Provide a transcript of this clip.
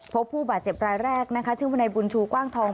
พบผู้บาดเจ็บรายแรกนะคะชื่อวนายบุญชูกว้างทอง